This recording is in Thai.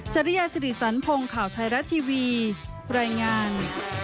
จริยาสิริสันพงศ์ข่าวไทยรัฐทีวีรายงาน